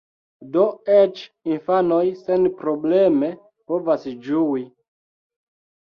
Do eĉ infanoj senprobleme povas ĝui.